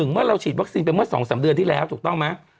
เมื่อเราฉีดวัคซีนไปเมื่อ๒๓เดือนที่แล้วถูกต้องไหม